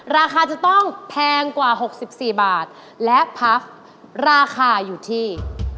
ราคาจะต้องแพงกว่า๖๔บาทและพับราคาอยู่ที่